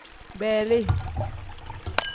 Beeli.